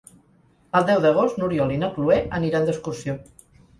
El deu d'agost n'Oriol i na Cloè aniran d'excursió.